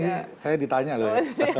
ini saya ditanya loh ya